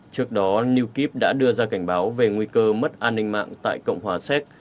trước đó newkip đã đưa ra cảnh báo về nguy cơ mất an ninh mạng tại cộng hòa séc